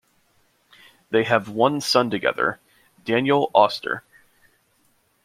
They have one son together, Daniel Auster.